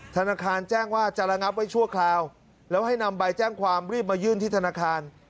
ธนาคารแจ้งว่าจะระงับไว้ชั่วคราวแล้วให้นำใบแจ้งความรีบมายื่นที่ธนาคาร